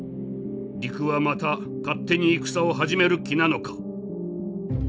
陸はまた勝手に戦を始める気なのか？